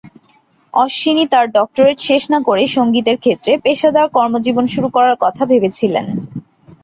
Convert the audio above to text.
অশ্বিনী তাঁর ডক্টরেট শেষ না করেই সংগীতের ক্ষেত্রে পেশাদার কর্মজীবন শুরু করার কথা ভেবেছিলেন।